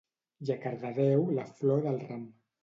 I a Cardedeu la flor del ram